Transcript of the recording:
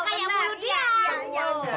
kayak budi ya